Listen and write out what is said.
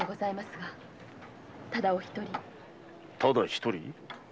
ただ一人？